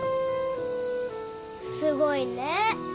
すごいね。